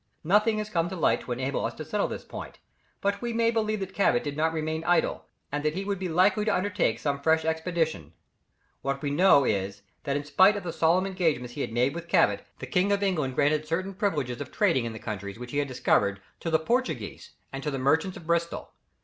Nothing has come to light to enable us to settle this point; but we may believe that Cabot did not remain idle, and that he would be likely to undertake some fresh expedition: what we do know is, that in spite of the solemn engagements that he had made with Cabot, the King of England granted certain privileges of trading in the countries which he had discovered, to the Portuguese and to the merchants of Bristol.